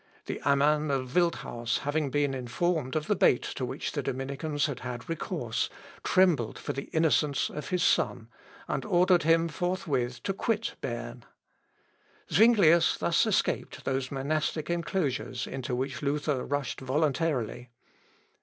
The amman of Wildhaus having been informed of the bait to which the Dominicans had had recourse, trembled for the innocence of his son, and ordered him forthwith to quit Berne. Zuinglius thus escaped those monastic enclosures into which Luther rushed voluntarily.